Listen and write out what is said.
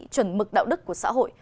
chuẩn mực đạo đức của xã hội